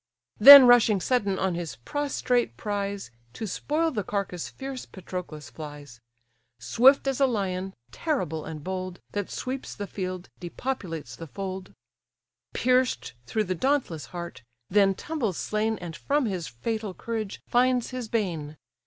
Then rushing sudden on his prostrate prize, To spoil the carcase fierce Patroclus flies: Swift as a lion, terrible and bold, That sweeps the field, depopulates the fold; Pierced through the dauntless heart, then tumbles slain, And from his fatal courage finds his bane.